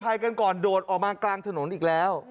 ภัยกันก่อนโดดออกมากลางถนนอีกแล้ว